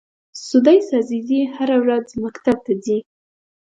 سُدیس عزیزي هره ورځ مکتب ته ځي.